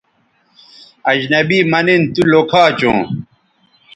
اجنبی مہ نِن تو لوکھا چوں